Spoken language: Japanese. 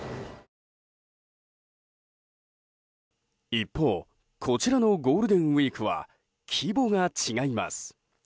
一方こちらのゴールデンウィークは規模が違います。